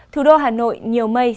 thủ đô hà nội nhiều mây